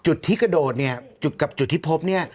จุดที่กระโดดเนี่ยจุดกับจุดที่พบเนี่ย